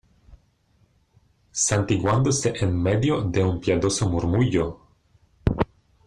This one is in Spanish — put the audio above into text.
santiguándose en medio de un piadoso murmullo.